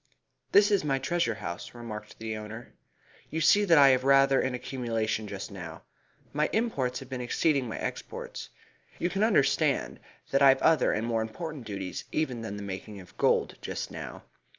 "This is my treasure house," remarked the owner. "You see that I have rather an accumulation just now. My imports have been exceeding my exports. You can understand that I have other and more important duties even than the making of gold, just now.